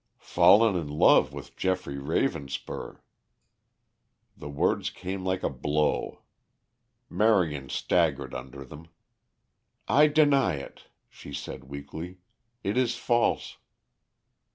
"Fallen in love with Geoffrey Ravenspur." The words came like a blow. Marion staggered under them. "I deny it," she said weakly. "It is false."